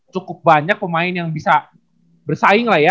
cukup banyak pemain yang bisa bersaing lah ya